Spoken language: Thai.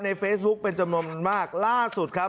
ในเฟซบุ๊คเป็นจำนวนมากล่าสุดครับ